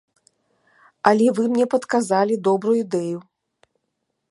Але вы мне падказалі добрую ідэю!